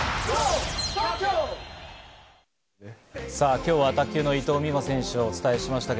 今日は卓球の伊藤美誠選手をお伝えしました。